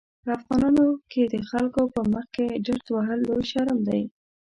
په افغانانو کې د خلکو په مخکې ډرت وهل لوی شرم دی.